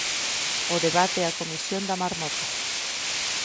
O debate e a comisión da marmota.